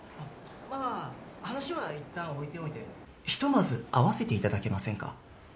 ・まあ話は一旦置いておいてひとまず会わせていただけませんか？